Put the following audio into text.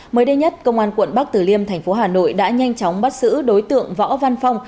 mới đây nhất công an quận bắc tử liêm thành phố hà nội đã nhanh chóng bắt giữ đối tượng võ văn phong